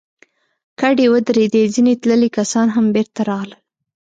کډې ودرېدې، ځينې تللي کسان هم بېرته راغلل.